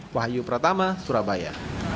wahyu pratama surabaya